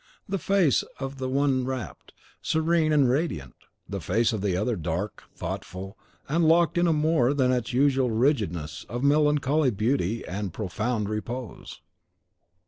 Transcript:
The face of the one rapt, serene, and radiant; the face of the other, dark, thoughtful, and locked in more than its usual rigidness of melancholy beauty and profound repose.